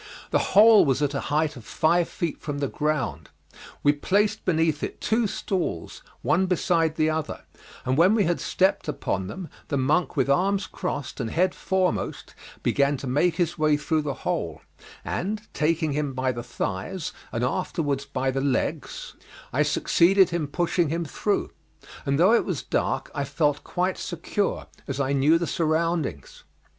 The hole was at a height of five feet from the ground. We placed beneath it two stools, one beside the other, and when we had stepped upon them the monk with arms crossed and head foremost began to make his way through the hole, and taking him by the thighs, and afterwards by the legs, I succeeded in pushing him through, and though it was dark I felt quite secure, as I knew the surroundings.